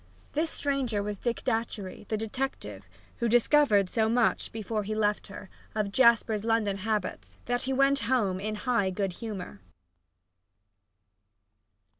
This stranger was Dick Datchery, the detective, who discovered so much, before he left her, of Jasper's London habits that he went home in high good humor.